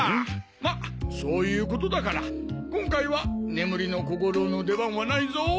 まそういうことだから今回は眠りの小五郎の出番はないぞ。